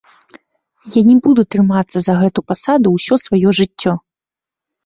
Я не буду трымацца за гэту пасаду ўсё сваё жыццё.